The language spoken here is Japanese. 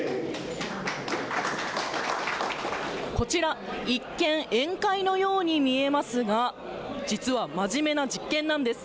こちら、一見宴会のように見えますが実は真面目な実験なんです。